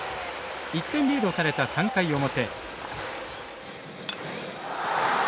１点リードされた３回表。